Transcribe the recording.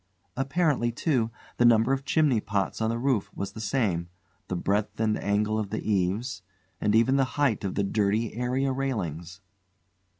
Apparently, too, the number of chimney pots on the roof was the same; the breadth and angle of the eaves; and even the height of the dirty area railings.